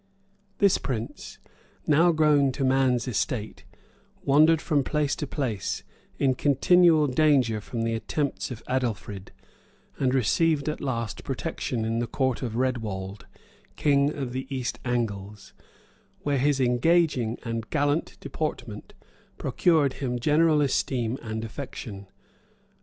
This prince, now grown to man's estate, wandered from place to place, in continual danger from the attempts of Adelfrid; and received at last protection in the court of Redwald, king of the East Angles; where his engaging and gallant deportment procured him general esteem and affection.